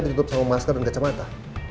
ditutup sama masker dan kacamata